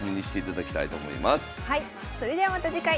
それではまた次回。